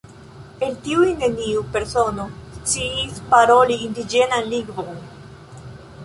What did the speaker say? El tiuj neniu persono sciis paroli indiĝenan lingvon.